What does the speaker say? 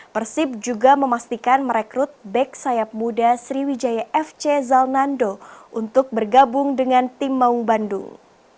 persib juga memastikan merekrut back sayap muda sriwijaya fc zalnando untuk bergabung dengan tim maung bandung